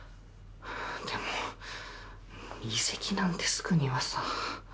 でも移籍なんてすぐにはさ。